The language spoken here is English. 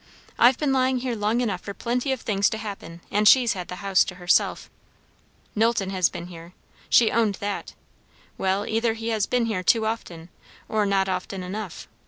I've been lying here long enough for plenty of things to happen; and she's had the house to herself. Knowlton has been here she owned that; well, either he has been here too often, or not often enough.